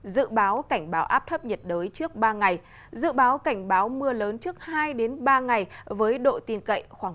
dự báo cảnh báo áp thấp nhiệt đới trước ba ngày dự báo cảnh báo mưa lớn trước hai ba ngày với độ tin cậy khoảng bảy mươi năm